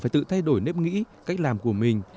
thay đổi nếp nghĩ cách làm của mình